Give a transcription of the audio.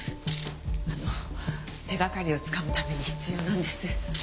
あの手がかりをつかむために必要なんです。